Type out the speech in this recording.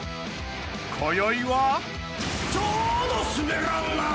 ［こよいは］